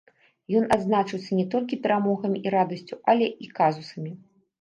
Ён адзначыўся не толькі перамогамі і радасцю, але і казусамі.